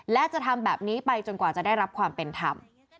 และจะทำแบบนี้ไปจนกว่าจะได้รับความเป็นธรรม